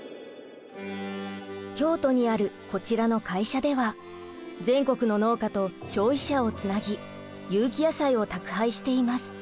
京都にあるこちらの会社では全国の農家と消費者をつなぎ有機野菜を宅配しています。